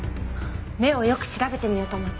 目をよく調べてみようと思って。